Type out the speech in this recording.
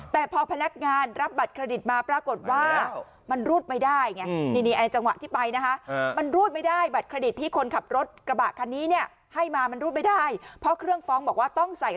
แต่พอพนักงานรับบัตรเครดิตมาปรากฏว่ามันรูดไม่ได้ไง